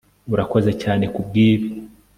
Urakoze cyane kubwibi